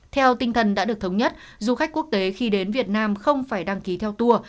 theo tinh thần đã được thống nhất du khách quốc tế khi đến việt nam không phải đăng ký theo tour